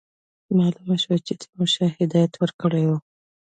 معلومه شوه چې تیمورشاه هدایت ورکړی وو.